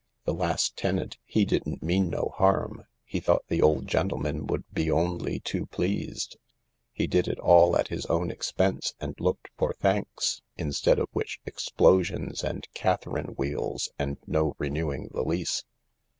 The last tenant, he didn't mean no harm. He thought the old gentleman would be only too pleased — he did it all at his own expense and looked for thanks, instead of which explosions and Catherine wheels and no renewing the lease.